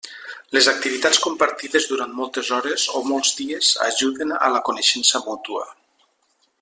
Les activitats compartides durant moltes hores o molts dies ajuden a la coneixença mútua.